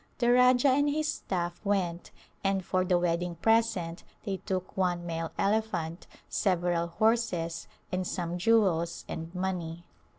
The Rajah and his staff went, and for the wedding present they took one male elephant, several horses, and some jewels and money.